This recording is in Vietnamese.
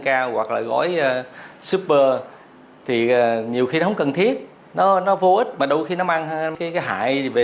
cao hoặc là gói shipper thì nhiều khi nó không cần thiết nó vô ích mà đôi khi nó mang cái hại về